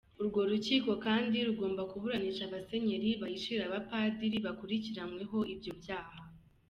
Urwo rukiko kandi rugomba kuburanisha abasenyeri bahishira abapadiri bakurikiranyweho ibyo byaha.